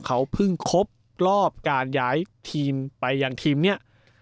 เขาเพิ่งครบรอบการย้ายทีมไปยังทีมเนี่ย